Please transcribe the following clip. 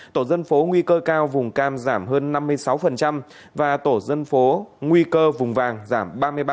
tổ dân phố nguy cơ cao vùng cam giảm hơn năm mươi sáu và tổ dân phố nguy cơ vùng vàng giảm ba mươi ba